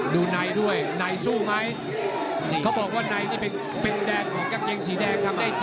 ดูไนท์ด้วยไนท์สู้ไหม